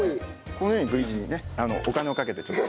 このようにＶ字にねお金をかけてちょっと。